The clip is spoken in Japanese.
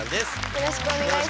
よろしくお願いします。